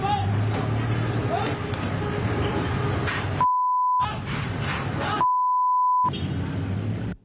ต่อหน้าต่อตาตำรวจเลยฮะ